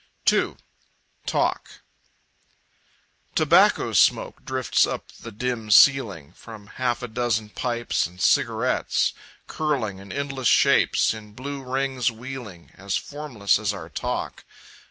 2. Talk Tobacco smoke drifts up to the dim ceiling From half a dozen pipes and cigarettes, Curling in endless shapes, in blue rings wheeling, As formless as our talk.